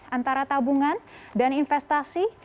antara tabungan dan investasi